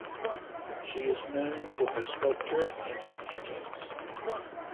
She is known for her sculpture and her paintings.